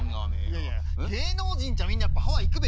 いやいや芸能人っちゃみんなやっぱハワイ行くべや。